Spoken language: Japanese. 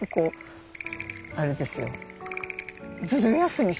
あれですよ